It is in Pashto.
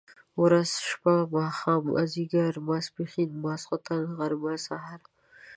ورځ، شپه ،ماښام، ماځيګر، ماسپښن ، ماخوستن ، غرمه ،سهار،